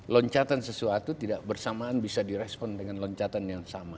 loncatan sesuatu tidak bersamaan bisa direspon dengan loncatan yang sama